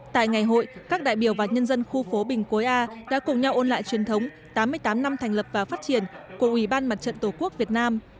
tại ngày hội các đại biểu và nhân dân khu phố bình cối a đã cùng nhau ôn lại truyền thống tám mươi tám năm thành lập và phát triển của ủy ban mặt trận tổ quốc việt nam